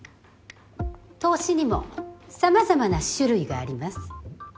投資にも様々な種類があります。